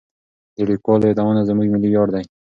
د لیکوالو یادونه زموږ ملي ویاړ دی.